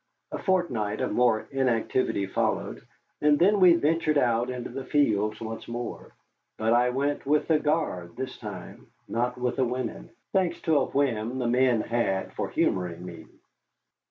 A fortnight of more inactivity followed, and then we ventured out into the fields once more. But I went with the guard this time, not with the women, thanks to a whim the men had for humoring me.